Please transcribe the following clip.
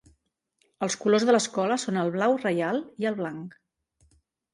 Els colors de l'escola són el blau reial i el blanc.